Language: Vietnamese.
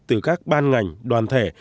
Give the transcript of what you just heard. từ các ban ngành đoàn thể